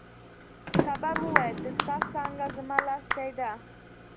تبر وویل چې ستا څانګه زما لاستی دی.